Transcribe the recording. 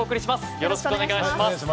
よろしくお願いします。